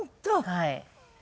はい。